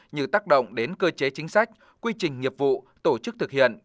như tác động đến cơ chế chính sách quy trình nghiệp vụ tổ chức thực hiện